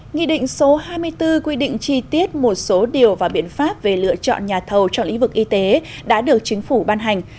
nghị định số hai mươi bốn quy định chi tiết một số điều và biện pháp về lựa chọn nhà thầu trong lĩnh vực y tế đã được chính phủ ban hành